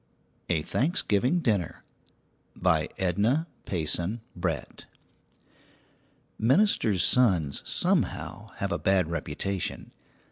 A THANKSGIVING DINNER BY EDNA PAYSON BRETT. Ministers' sons, somehow, have a bad reputation.